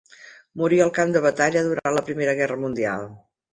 Morí al camp de batalla durant la Primera Guerra Mundial.